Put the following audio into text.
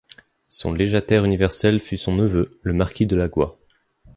Son légataire universel fut son neveu, le marquis de Lagoy.